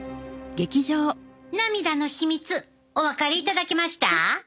涙の秘密お分かりいただけました？